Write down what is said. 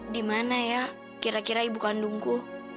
dimana ya kira kira ibu kandungku